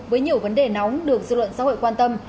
với nhiều vấn đề nóng được dư luận xã hội quan tâm